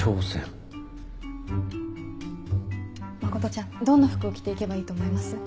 真ちゃんどんな服を着て行けばいいと思います？